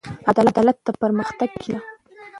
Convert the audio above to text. عدالت د پرمختګ کیلي ده.